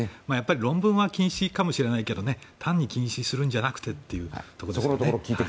論文は禁止かもしれないけど単に禁止するんじゃなくてですよね。